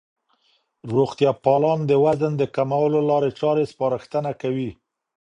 روغتیا پالان د وزن د کمولو لارې چارې سپارښتنه کوي.